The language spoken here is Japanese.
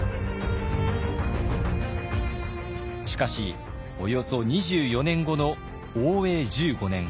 しかしおよそ２４年後の応永１５年。